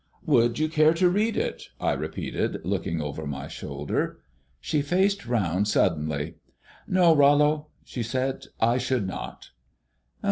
"Would you care to read it?" I repeated, looking over my shoulder. She faced round suddenly. "No, Rollo," she said, "I should not."